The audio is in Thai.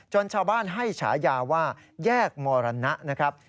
ชาวบ้านให้ฉายาว่าแยกมรณะนะครับ